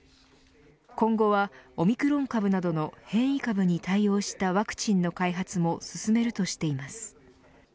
今後はオミクロン株などの変異株に対応したワクチンの開発も進めるとしています。